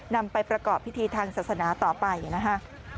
นำไปประกอบพิธีทางศาสนาต่อไปนะคะ